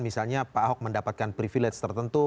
misalnya pak ahok mendapatkan privilege tertentu